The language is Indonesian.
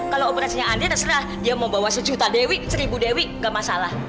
kalau operasinya andriah terserah dia mau bawa sejuta dewi seribu dewi gak masalah